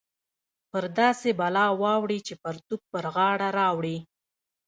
پر داسې بلا واوړې چې پرتوګ پر غاړه راوړې